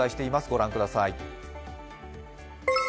御覧ください。